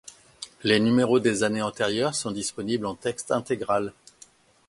Les numéros des années antérieures sont disponibles en texte intégral.